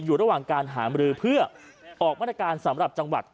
อยู่ระหว่างการหามรือเพื่อออกมาตรการสำหรับจังหวัด